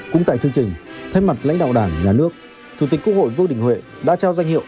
cũng tại chương trình thay mặt lãnh đạo đảng nhà nước chủ tịch quốc hội vương đình huệ đã trao danh hiệu